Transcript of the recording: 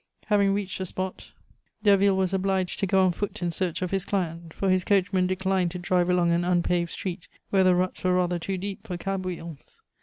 Having reached the spot, Derville was obliged to go on foot in search of his client, for his coachman declined to drive along an unpaved street, where the ruts were rather too deep for cab wheels.